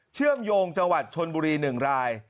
เชื่อมโยงจังหวัดชนบุรี๑ราย